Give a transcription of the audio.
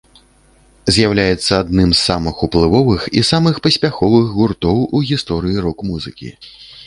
З'яўляецца адным з самых уплывовых і самых паспяховых гуртоў у гісторыі рок-музыкі.